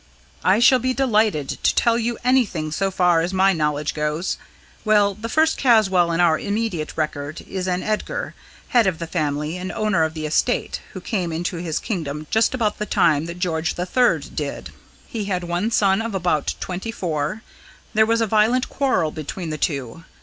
"I shall be delighted to tell you anything so far as my knowledge goes. Well, the first Caswall in our immediate record is an Edgar, head of the family and owner of the estate, who came into his kingdom just about the time that George III. did. He had one son of about twenty four. There was a violent quarrel between the two.